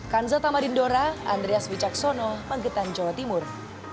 kan zatama dindora andreas wijaksono magetan jawa timur